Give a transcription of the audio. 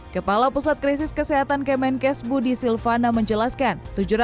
kepala pusat krisis kesehatan kemenkes budi silvana menjelaskan